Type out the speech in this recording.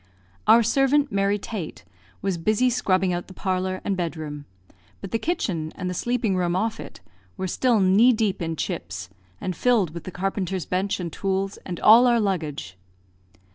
Our servant, Mary Tate, was busy scrubbing out the parlour and bed room; but the kitchen, and the sleeping room off it, were still knee deep in chips, and filled with the carpenter's bench and tools, and all our luggage.